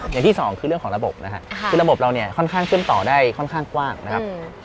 อย่างที่สองคือเรื่องของระบบนะครับคือระบบเราเนี่ยค่อนข้างเชื่อมต่อได้ค่อนข้างกว้างนะครับ